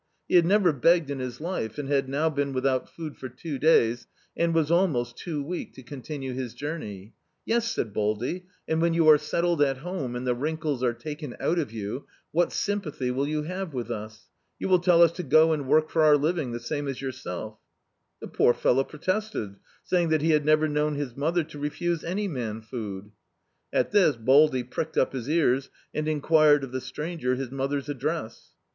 He had never begged in his life, and had now been without food for two days, and was almost too weak to continue his journey. "Yes," said Baldy, "and when you are setded at home, and the wrinkles are taken out of you, what sympathy will you have with us? You will tell us to go and work for our living, the same as yourself." The poor fellow pro tested, saying that he had never known his mother to refuse any man food. At this Baldy pricked up his ears and enquired of the stranger his mother's address.